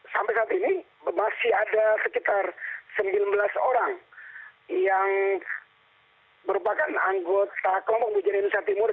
sampai saat ini masih ada sekitar sembilan belas orang yang merupakan anggota kelompok mujair indonesia timur